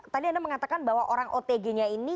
tadi anda mengatakan bahwa orang otg nya ini